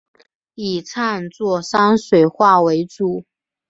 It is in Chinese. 以创作山水画为主。